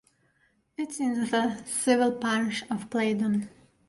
It is in the civil parish of Playden.